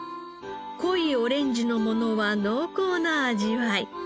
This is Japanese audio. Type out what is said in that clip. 濃いオレンジのものは濃厚な味わい。